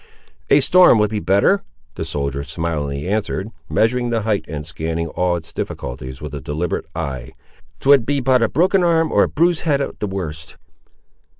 "A storm would be better," the soldier smilingly answered, measuring the height and scanning all its difficulties with a deliberate eye; "'twould be but a broken arm or a bruised head at the worst."